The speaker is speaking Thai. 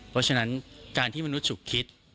เพราะฉะนั้นการที่มนุษย์ฉุกคิด